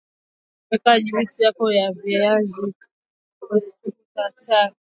Weka juisi yako ya viazi lishe kwenye chombo tayari kwa kunywa